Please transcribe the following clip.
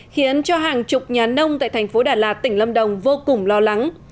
khiến cho hàng chục nhà nông tại thành phố đà lạt tỉnh lâm đồng vô cùng lo lắng